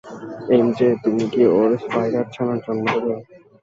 এমজে, তুমি কি ওর স্পাইডার-ছানার জন্ম দেবে?